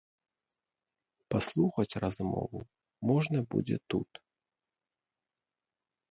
Паслухаць размову можна будзе тут.